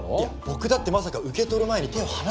僕だってまさか受け取る前に手を離すとは。